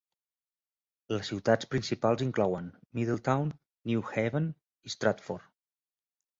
Les ciutats principals inclouen: Middletown, New Haven, i Stratford.